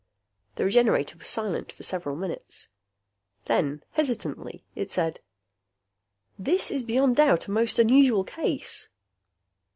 The Regenerator was silent for several minutes. Then, hesitantly, it said, "This is beyond doubt a most unusual case."